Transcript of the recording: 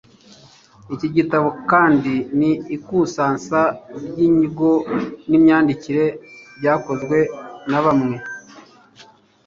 iki gitabo kandi ni ikusansa ry'inyigo n'imyandiko by'akozwe na bamwe